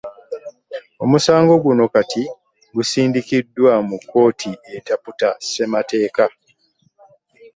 Omusango guno Kati gusindikiddwa mu kkooti etaputa ssemateeka.